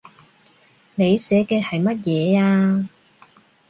你寫嘅係乜嘢呀